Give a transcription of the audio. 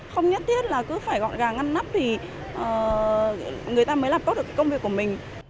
không nhất thiết là cứ phải gọn gà ngăn nắp thì người ta mới làm tốt được công việc của mình